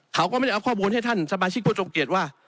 เขาก็ไม่ได้เอาข้อมูลให้ท่านสมาชิกผู้ทรงเกียจว่า